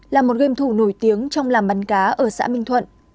là một game thủ nổi tiếng trong làm bắn cá ở xã minh thuận